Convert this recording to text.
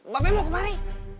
babe mau ke mare